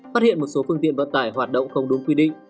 phát hiện một số phương tiện vận tải hoạt động không đúng quy định